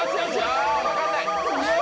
さぁ分かんない。